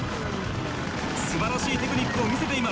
素晴らしいテクニックを見せています。